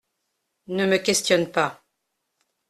Ne me questionne pas !